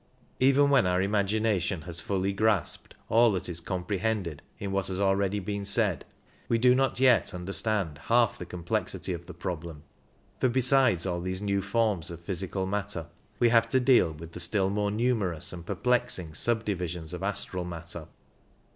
Even when our imagination has fully grasped all that is lO comprehended in what has already been said, we do not yet understand half the complexity of the problem ; for besides all these new forms of physical matter we have to deal with the still more numerous and perplexirig sub divisions of astral matter.